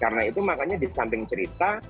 karena itu makanya di samping cerita